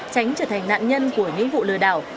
tránh trở thành nạn nhân của những vụ lừa đảo